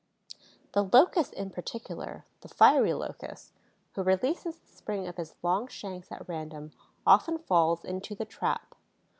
The Locust in particular, the fiery Locust, who releases the spring of his long shanks at random, often falls into the trap.